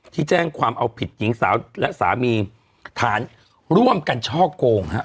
ที่แจ้งความเอาผิดหญิงสาวและสามีฐานร่วมกันช่อโกงฮะ